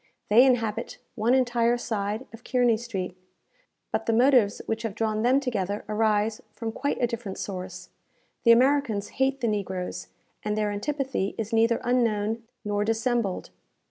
They inhabit one entire side of Kearney Street; but the motives which have drawn them together arise from quite a different source. The Americans hate the negroes, and their antipathy is neither unknown nor dissembled.